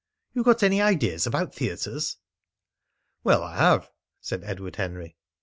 ... You got any ideas about theatres?" "Well, I have," said Edward Henry. Mr.